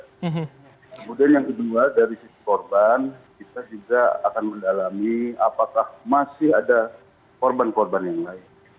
kemudian yang kedua dari sisi korban kita juga akan mendalami apakah masih ada korban korban yang lain